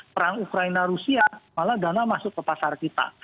perang ukraina rusia malah dana masuk ke pasar kita